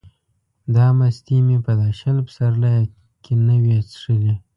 دا مستې مې په دا شل پسرلیه کې نه وې څښلې.